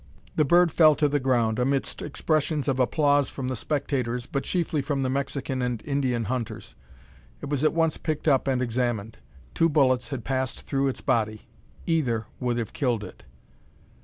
The bird fell to the ground, amidst expressions of applause from the spectators, but chiefly from the Mexican and Indian hunters. It was at once picked up and examined. Two bullets had passed through its body. Either would have killed it.